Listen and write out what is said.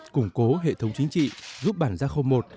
củng cố hệ thống chính trị giúp bản gia khâu một